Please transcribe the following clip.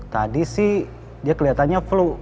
tadi sih dia kelihatannya flu